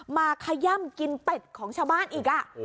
ขย่ำกินเป็ดของชาวบ้านอีก